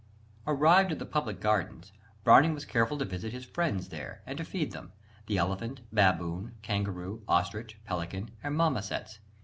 Arrived at the public gardens, Browning was careful to visit his "friends" there and to feed them the elephant, baboon, kangaroo, ostrich, pelican, and marmosets.